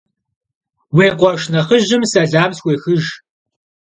Vui khueşş nexhıjım selam sxuêxıjj.